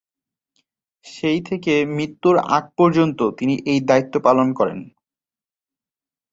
সেই থেকে মৃত্যুর আগ পর্যন্ত তিনি এই দায়িত্ব পালন করেন।